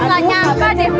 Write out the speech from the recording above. malah nyangka de